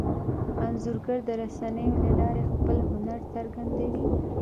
انځورګر د رسنیو له لارې خپل هنر څرګندوي.